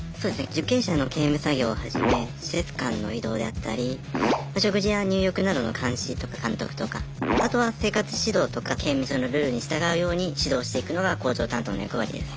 受刑者の刑務作業はじめ施設間の移動であったり食事や入浴などの監視とか監督とかあとは生活指導とか刑務所のルールに従うように指導していくのが工場担当の役割です。